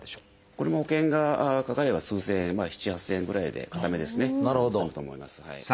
これも保険がかかるのが数千円７，０００８，０００円ぐらいで片目ですね済むと思います。